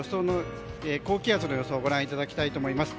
高気圧の予想をご覧いただきます。